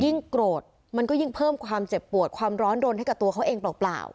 โกรธมันก็ยิ่งเพิ่มความเจ็บปวดความร้อนรนให้กับตัวเขาเองเปล่า